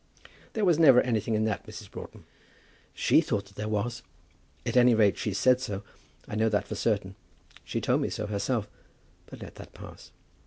"There was never anything in that, Mrs. Broughton." "She thought that there was. At any rate, she said so. I know that for certain. She told me so herself. But let that pass.